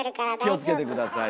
気を付けて下さい。